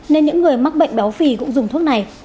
nên những người mắc bệnh béo phì cũng dùng thuốc này